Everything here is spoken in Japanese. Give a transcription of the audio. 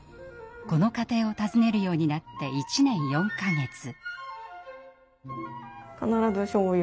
この家庭を訪ねるようになって１年４か月。